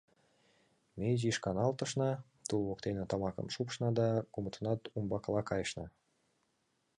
Ме изиш каналтышна, тул воктене тамакым шупшна да кумытынат умбакыла кайышна.